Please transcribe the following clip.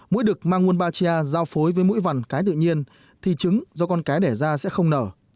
mũi đực mang wombatia giao phối với mũi vằn cái tự nhiên thì trứng do con cái đẻ ra sẽ không nở